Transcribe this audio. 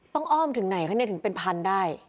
ต้องอ้อมถึงไหนขนาดนี้ถึงเป็นพันได้